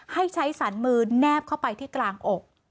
ให้ใช้สรรมือแนบเข้าไปที่กลางอก